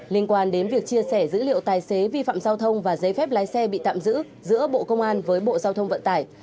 liên quan đến việc chia sẻ dữ liệu tài xế vi phạm giao thông và giấy phép lái xe bị tạm giữ giữa bộ công an với bộ giao thông vận tải